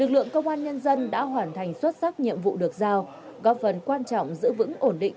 lực lượng công an nhân dân đã hoàn thành xuất sắc nhiệm vụ được giao góp phần quan trọng giữ vững ổn định